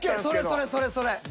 それそれそれそれ。